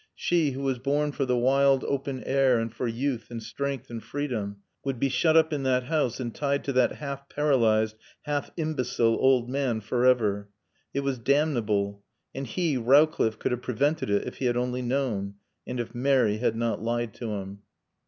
She, who was born for the wild open air and for youth and strength and freedom, would be shut up in that house and tied to that half paralyzed, half imbecile old man forever. It was damnable. And he, Rowcliffe, could have prevented it if he had only known. And if Mary had not lied to him.